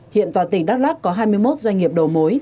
hiện toàn tỉnh đắk lắc có hai mươi một doanh nghiệp đầu mối